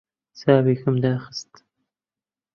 چاوێکم داخست.